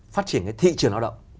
phát triển cái thị trường lao động